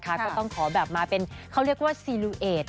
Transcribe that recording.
เขาต้องขอแบบมาเป็นเค้าเรียกว่าสิริวเอต